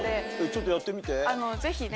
ちょっとやってみて。